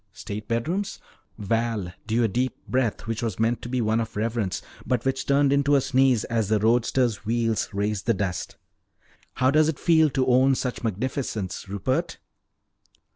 "State bedrooms " Val drew a deep breath which was meant to be one of reverence but which turned into a sneeze as the roadster's wheels raised the dust. "How does it feel to own such magnificence, Rupert?"